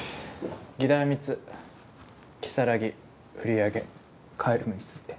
議題は３つ如月売り上げＣａｅｌｕｍについて。